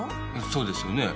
そうですよね。